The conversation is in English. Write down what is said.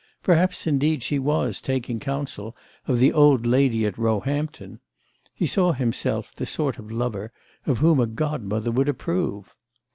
Perhaps indeed she was taking counsel of the old lady at Roehampton: he saw himself the sort of lover of whom a godmother would approve.